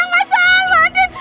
ibu diserang sama dua orang